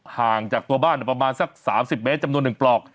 ห่างจากตัวบ้านประมาณสัก๓๐เมตรจำนวน๑ปลอก